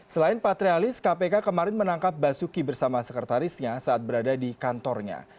selain patrialis kpk kemarin menangkap basuki bersama sekretarisnya saat berada di kantornya